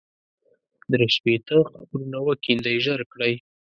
درې شپېته قبرونه وکېندئ ژر کړئ.